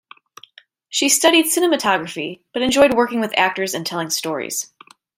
She studied cinematography but enjoyed working with actors and telling stories.